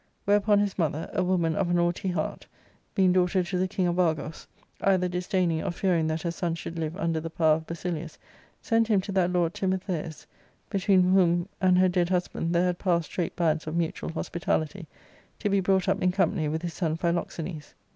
Where upon his mother, a woman of an haughty heart, being daughter to the king of Argos, either disdaining or fearing that her son should live under the power of BasiUus, sent him to that lord Timoth^us, between whom and her dead husband there had passed straight bands of mutual hospitality, to be brought up in company with his son Philfixfinus.